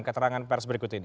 keterangan pers berikut ini